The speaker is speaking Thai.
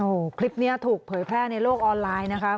โอ้โหคลิปนี้ถูกเผยแพร่ในโลกออนไลน์นะคะ